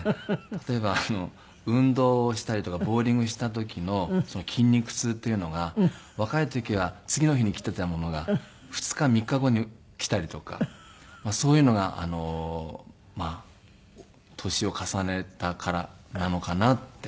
例えば運動をしたりとかボウリングした時の筋肉痛っていうのが若い時は次の日に来ていたものが２日３日後に来たりとかそういうのがまあ年を重ねたからなのかなって。